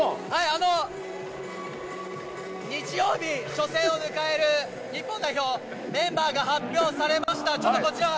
あの、日曜日、初戦を迎える日本代表、メンバーが発表されました。